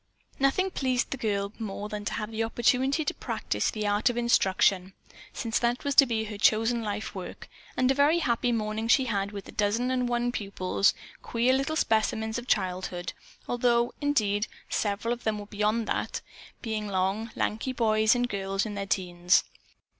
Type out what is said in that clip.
Nothing pleased the girl more than to have an opportunity to practice the art of instruction, since that was to be her chosen life work, and a very happy morning she had with the dozen and one pupils, queer little specimens of childhood, although, indeed, several of them were beyond that, being long, lanky boys and girls in their teens.